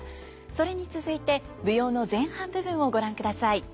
それに続いて舞踊の前半部分をご覧ください。